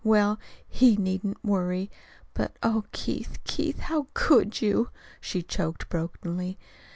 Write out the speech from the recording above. Well, he needn't worry! But oh, Keith, Keith, how could you?" she choked brokenly.